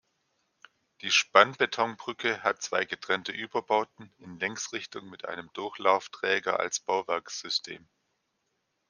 Die Spannbetonbrücke hat zwei getrennte Überbauten, in Längsrichtung mit einem Durchlaufträger als Bauwerkssystem.